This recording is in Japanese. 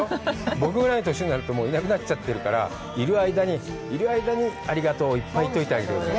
僕ぐらいの年になると、いなくなっちゃってるから、いる間にありがとうをいっぱい言っておいてあげてください。